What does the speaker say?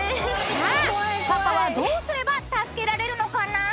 さあパパはどうすれば助けられるのかな？